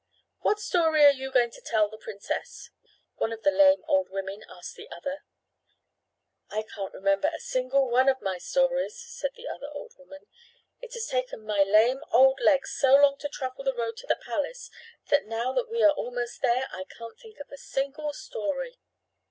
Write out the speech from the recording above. "What story are you going to tell the princess?" one of the lame old women asked the other. "I can't remember a single one of my stories," said the other old woman. "It has taken my lame old legs so long to travel the road to the palace that now that we are almost there I can't think of a single story."